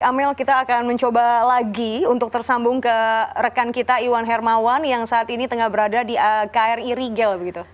amel kita akan mencoba lagi untuk tersambung ke rekan kita iwan hermawan yang saat ini tengah berada di kri rigel